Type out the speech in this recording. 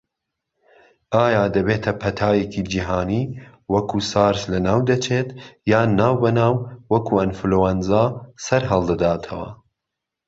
ئایا دەبێتە پەتایەکی جیهانی، وەکو سارس لەناودەچێت یان ناوبەناو وەکو ئەنفلەوەنزا سەرهەڵدەداتەوە؟